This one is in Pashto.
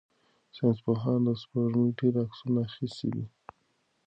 ساینس پوهانو د سپوږمۍ ډېر عکسونه اخیستي دي.